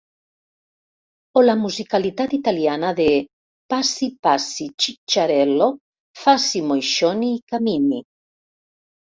O la musicalitat italiana de «Passi, passi, xitxarel·lo, faci moixoni i camini».